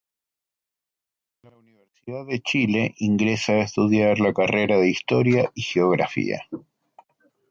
En la Universidad de Chile ingresa a estudiar la carrera de Historia y Geografía.